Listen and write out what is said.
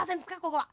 ここは。